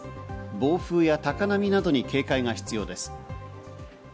暴風や高波などに警戒が必要です。